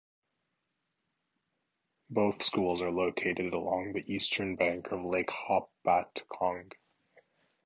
Both schools are located along the eastern bank of Lake Hopatcong.